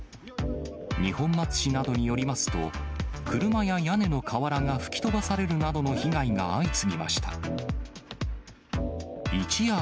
二本松市などによりますと、車や屋根の瓦が吹き飛ばされるなどの被害が相次ぎました。